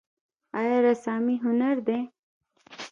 آیا رسامي هنر دی؟